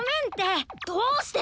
どうして！？